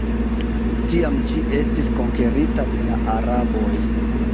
Tiam ĝi estis konkerita de la araboj.